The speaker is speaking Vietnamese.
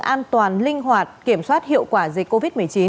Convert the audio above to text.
an toàn linh hoạt kiểm soát hiệu quả dịch covid một mươi chín